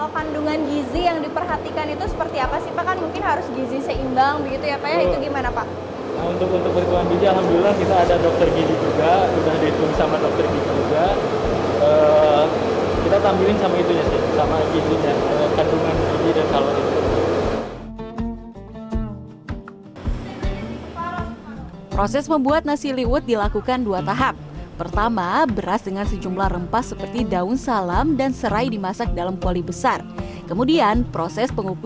kalau kandungan gizi yang diperhatikan itu seperti apa sih pak